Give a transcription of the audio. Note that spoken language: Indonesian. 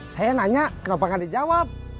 saya nanya kenapa gak dijawab